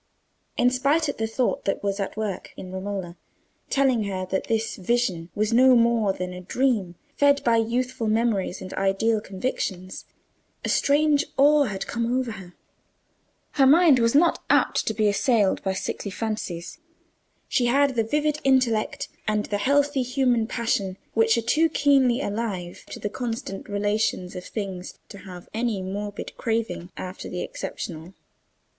In spite of the thought that was at work in Romola, telling her that this vision was no more than a dream, fed by youthful memories and ideal convictions, a strange awe had come over her. Her mind was not apt to be assailed by sickly fancies; she had the vivid intellect and the healthy human passion, which are too keenly alive to the constant relations of things to have any morbid craving after the exceptional.